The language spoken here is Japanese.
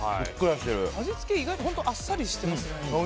味付け意外とあっさりしてますね。